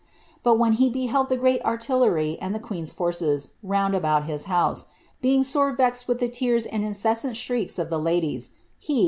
Bui when he beheld Oie great inS lery and the queen^s forcea round aboul his house, being sore rati with (lie tears and incessant shrieks of ilie ladies, he.